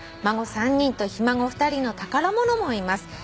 「孫３人とひ孫２人の宝物もいます」